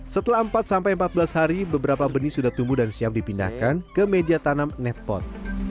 setelah empat sampai empat belas hari beberapa benih sudah tumbuh dan siap dipindahkan ke media tanam netpond